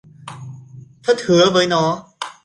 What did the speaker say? Thất hứa với nó